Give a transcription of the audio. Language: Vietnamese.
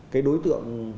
cái đối tượng hướng dẫn